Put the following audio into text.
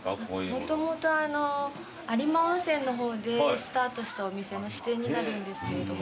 もともと有馬温泉の方でスタートしたお店の支店になるんですけれども。